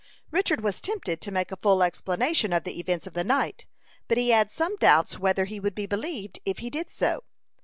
Richard was tempted to make a full explanation of the events of the night, but he had some doubts whether he would be believed if he did so.